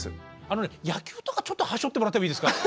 あのね野球とかちょっとはしょってもらってもいいですか？